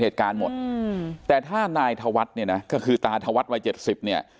เหตุการณ์หมดอืมแต่ถ้านายธวัฒน์เนี่ยนะก็คือตาธวัฒนวัยเจ็ดสิบเนี่ย